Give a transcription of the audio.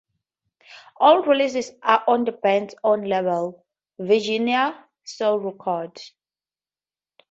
All releases are on the band's own label, Virginia Soul Records.